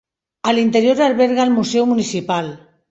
A l'interior alberga el Museu Municipal.